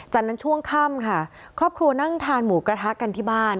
จากนั้นช่วงค่ำค่ะครอบครัวนั่งทานหมูกระทะกันที่บ้าน